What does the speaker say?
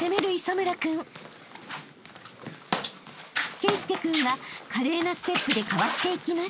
［圭佑君は華麗なステップでかわしていきます］